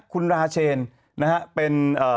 คุณราเชนนะครับ